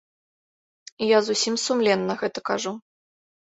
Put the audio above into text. Я зусім сумленна гэта кажу.